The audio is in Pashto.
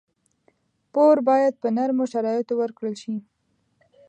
پور باید په نرمو شرایطو ورکړل شي.